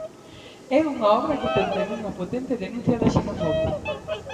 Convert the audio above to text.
É unha obra que contén unha potente denuncia da xenofobia.